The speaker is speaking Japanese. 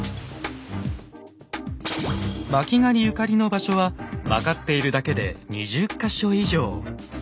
巻狩ゆかりの場所は分かっているだけで２０か所以上。